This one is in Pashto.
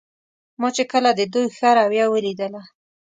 ما چې کله د دوی ښه رویه ولیدله.